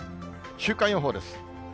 週間予報です。